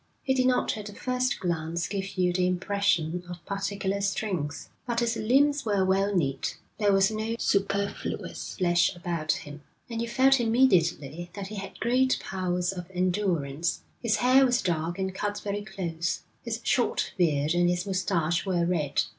He did not at the first glance give you the impression of particular strength, but his limbs were well knit, there was no superfluous flesh about him, and you felt immediately that he had great powers of endurance. His hair was dark and cut very close. His short beard and his moustache were red.